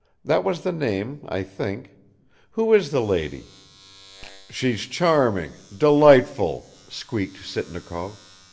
. That was the name, I think who is the lady?" "She's charming, delightful," squeaked Sitnikov.